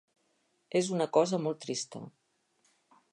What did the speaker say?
És una cosa molt trista.